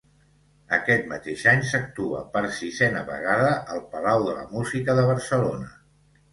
Aquest mateix any s'actua, per sisena vegada, al Palau de la Música de Barcelona.